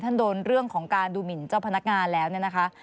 ท่านโดนเรื่องของการดูหมินเจ้าพนักงานแล้วนะคะ